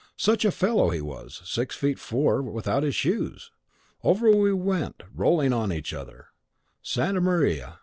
Such a fellow he was, six feet four without his shoes! Over we went, rolling each on the other. Santa Maria!